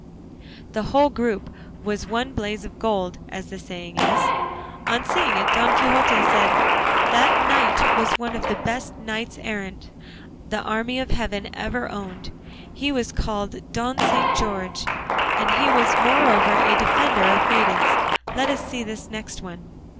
The whole group was one blaze of gold, as the saying is. On seeing it Don Quixote said, "That knight was one of the best knights errant the army of heaven ever owned; he was called Don Saint George, and he was moreover a defender of maidens. Let us see this next one."